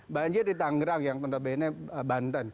banjir di tangerang yang tentu bnm banten